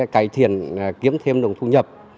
cải thiện kiếm thêm đồng thu nhập